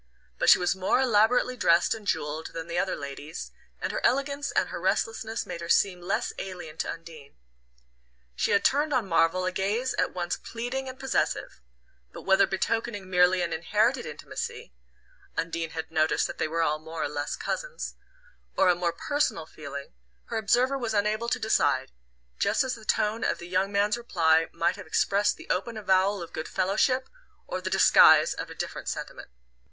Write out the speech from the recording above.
But she was more elaborately dressed and jewelled than the other ladies, and her elegance and her restlessness made her seem less alien to Undine. She had turned on Marvell a gaze at once pleading and possessive; but whether betokening merely an inherited intimacy (Undine had noticed that they were all more or less cousins) or a more personal feeling, her observer was unable to decide; just as the tone of the young man's reply might have expressed the open avowal of good fellowship or the disguise of a different sentiment.